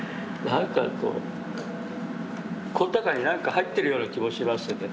なんかこうこの中に何か入ってるような気もしますよね。